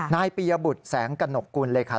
นายปียบุตรแสงกระหนกกุลเลขา